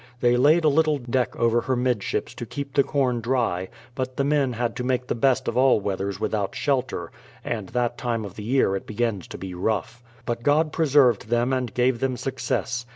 They laid a little deck over her midships to keep the corn dry, but the men had to make the best of all weathers with out shelter, — and that time of year it begins to be rough. But God preserved them and gave them success.